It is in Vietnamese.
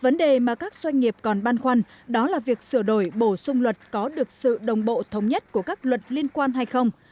vấn đề mà các doanh nghiệp còn băn khoăn đó là việc sửa đổi bổ sung luật có được sự đồng bộ thống nhất của các luật liên quan hay không